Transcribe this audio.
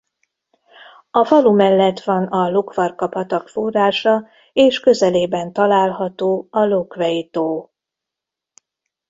A falu mellett van a Lokvarka-patak forrása és közelében található a Lokvei-tó.